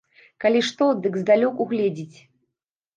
Калі што, дык здалёк угледзіць.